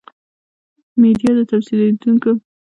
میډیا د تمثیلېدونکې ډرامې جادوګرې شعبده بازۍ ته ورته ده.